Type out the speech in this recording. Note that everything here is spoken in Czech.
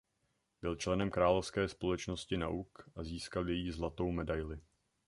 Byl členem Královské společnosti nauk a získal její zlatou medaili.